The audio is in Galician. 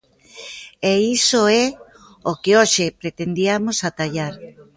E iso é o que hoxe pretendiamos atallar.